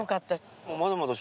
まだまだ。